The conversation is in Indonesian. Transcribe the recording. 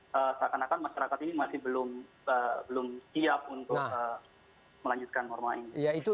seakan akan masyarakat ini masih belum siap untuk melanjutkan norma ini